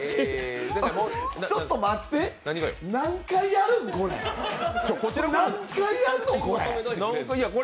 ちょっと待って、何回やるのこれ。